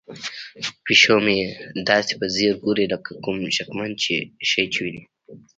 پیشو مې داسې په ځیر ګوري لکه کوم شکمن شی چې ویني.